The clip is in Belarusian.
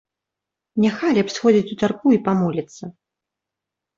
Няхай лепш сходзіць у царкву і памоліцца.